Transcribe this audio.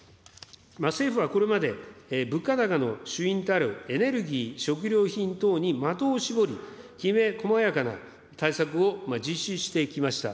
政府はこれまで物価高の主因たるエネルギー、食料品等に的を絞り、きめ細やかな対策を実施してきました。